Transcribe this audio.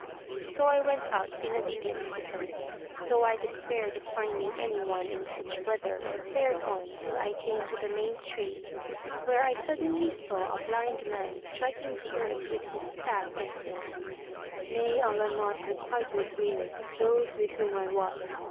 So I went out, in obedience to her, though I despaired of finding any one in such weather and fared on till I came to the main street, where I suddenly saw a blind man striking the earth with his staff and saying, "May Allah not requite with weal those with whom I was!